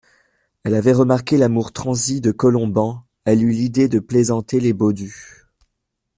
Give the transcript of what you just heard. Elle avait remarqué l'amour transi de Colomban, elle eut l'idée de plaisanter les Baudu.